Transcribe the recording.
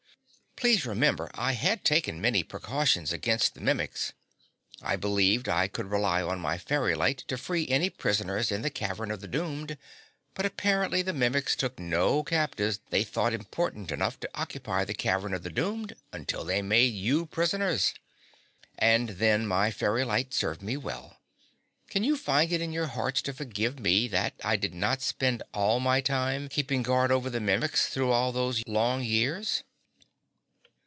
"Please remember I had taken many precautions against the Mimics. I believed I could rely on my fairy light to free any prisoners in the Cavern of the Doomed, but apparently the Mimics took no captives they thought important enough to occupy the Cavern of the Doomed until they made you prisoners. And then my fairy light served me well. Can you find it in your hearts to forgive me that I did not spend all my time keeping guard over the Mimics through all those long years?"